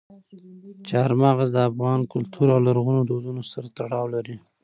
چار مغز د افغان کلتور او لرغونو دودونو سره تړاو لري.